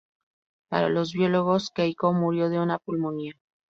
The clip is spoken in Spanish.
Para los biólogos, "Keiko" murió de una pulmonía.